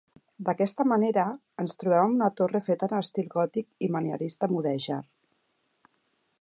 D'aquesta manera, ens trobem amb una torre feta en estil gòtic i manierista mudèjar.